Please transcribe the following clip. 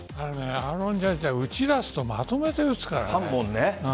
アーロン・ジャッジは打ち出すとまとめて打つからね。